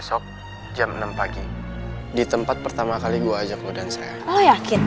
sampai jumpa di video selanjutnya